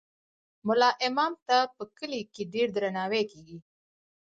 ملا امام ته په کلي کې ډیر درناوی کیږي.